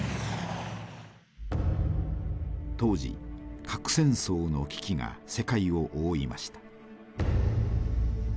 当時核戦争の危機が世界を覆いました。